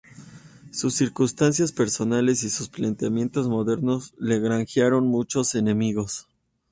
Sus circunstancias personales y sus planteamientos modernos le granjearon muchos enemigos.